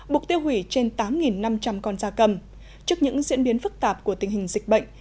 buộc tiêu hủy trên tám năm trăm linh con da cầm trước những diễn biến phức tạp của tình hình dịch bệnh